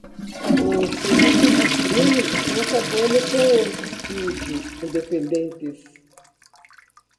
Os serviços de streaming estão acabando com os estúdios independentes.